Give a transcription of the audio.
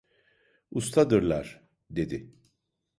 Ustadırlar… dedi.